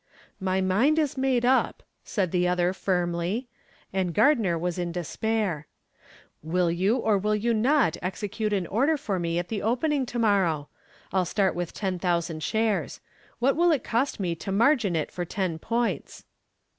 "My mind is made up," said the other firmly, and Gardner was in despair. "Will you or will you not execute an order for me at the opening to morrow? I'll start with ten thousand shares. What will it cost me to margin it for ten points?"